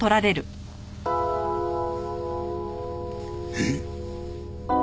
えっ！？